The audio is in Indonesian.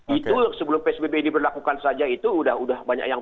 itu sebelum psbb diberlakukan saja itu sudah banyak yang